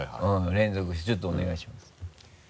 連続してちょっとお願いします。